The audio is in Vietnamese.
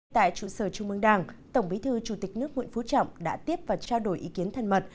tại trụ sở trung mương đảng tổng bí thư chủ tịch nước nguyễn phú trọng đã tiếp và trao đổi ý kiến thân mật